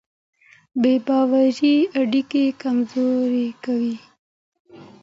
بې باورۍ اړیکې کمزورې کوي.